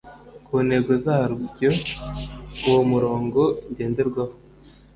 ku ntego zaryo Uwo murongo ngenderwaho